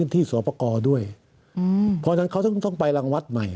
ที่สวปกครกด้วยอืมเพราะฉะนั้นเขาต้องไปรังวัดใหม่